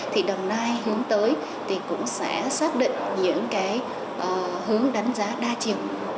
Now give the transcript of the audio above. thì đồng nai hướng tới thì cũng sẽ xác định những cái hướng đánh giá đa chiều